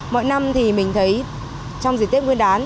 mỗi năm thì mình thấy trong dưới tết nguyên đán